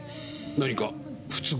何か不都合でも？